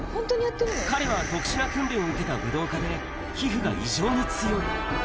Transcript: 彼は特殊な訓練を受けた武道家で、皮膚が異常に強い。